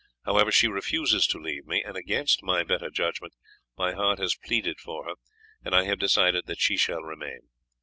However, she refuses to leave me, and against my better judgment my heart has pleaded for her, and I have decided that she shall remain.